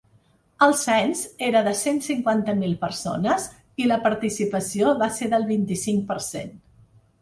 El cens era de cent cinquanta mil persones i la participació va ser del vint-i-cinc per cent.